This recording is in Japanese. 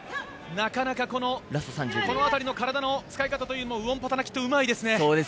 なかなかこの辺りの体の使い方というのはウオンパタナキットうまいですね。